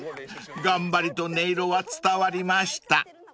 頑張りと音色は伝わりました］